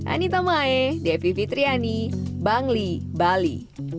anitamae depi fitriani bangli bali